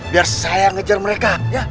biar saya ngejar mereka